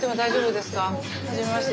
はじめまして。